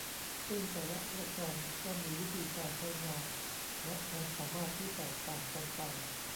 ซึ่งแต่ละโปรแกรมก็มีวิธีการใช้งานและความสามารถที่แตกต่างกันไป